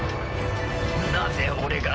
なぜ俺が。